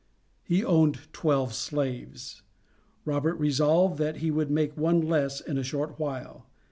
He owned twelve slaves; Robert resolved that he would make one less in a short while.